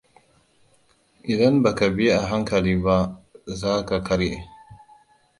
Idan ba ka bi a hankali ba za ka karye.